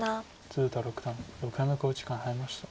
鶴田六段６回目の考慮時間に入りました。